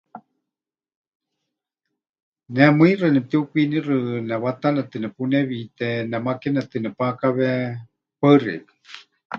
Ne mɨixa nepɨtiukwinixɨ, newatanetɨ nepunewiíte, nemakenetɨ nepakawe. Paɨ xeikɨ́a.